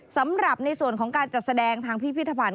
สำหรับในส่วนของการจัดแสดงทางพิพิธภัณฑ